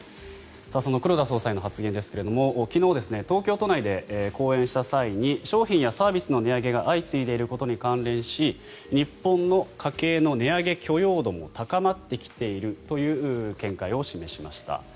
その黒田総裁の発言ですが昨日、東京都内で講演した際に商品やサービスの値上げが相次いでいることに関連し日本の家計の値上げ許容度も高まってきているという見解を示しました。